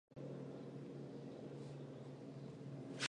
金属量通常是通过对光球中铁的相对于氢的丰度来决定。